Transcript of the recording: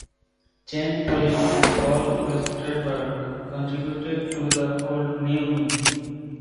Chan Poling and Paul Westerberg contributed to "The Old New Me".